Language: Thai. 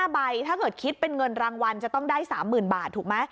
๕ใบถ้าเกิดคิดเป็นเงินรางวัลจะต้องได้๓๐๐๐บาทถูกไหม